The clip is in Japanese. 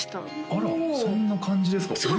あらそんな感じですか？